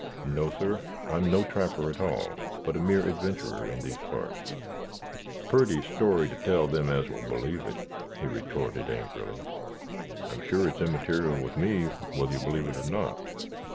"No, sir; I am no trapper at all, but a mere adventurer in these parts." "Pooty story to tell them as will believe it," he retorted, angrily. "I am sure it is immaterial with me whether you believe it or not.